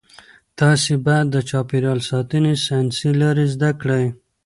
تاسي باید د چاپیریال ساتنې ساینسي لارې زده کړئ.